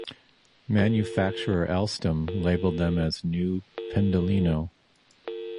Manufacturer Alstom labeled them as "New Pendolino".